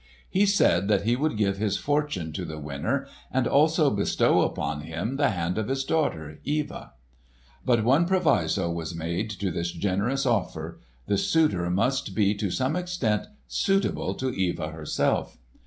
He said that he would give his fortune to the winner and also bestow upon him the hand of his daughter Eva. But one proviso was made to this generous offer; the suitor must be to some extent suitable to Eva herself.